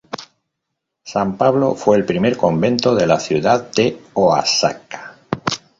San Pablo fue el primer convento de la ciudad de Oaxaca.